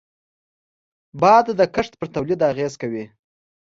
باد د کښت پر تولید اغېز کوي